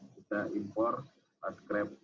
kita import pas krem serta semua